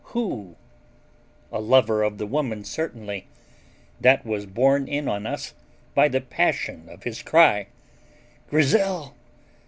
Who? A lover of the woman certainly; that was borne in on us by the passion of his cry: "Grizel!